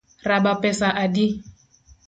Raba pesa adi?